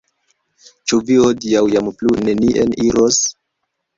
Ĉu vi hodiaŭ jam plu nenien iros?